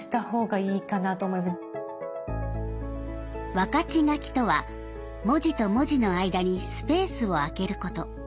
分かち書きとは文字と文字の間にスペースを空けること。